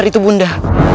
apa itu bunda